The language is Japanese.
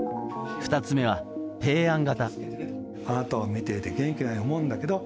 ２つ目は提案型。